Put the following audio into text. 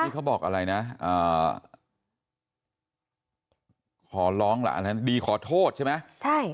นี่เขาบอกอะไรนะขอร้องล่ะอันนั้นดีขอโทษใช่ไหมใช่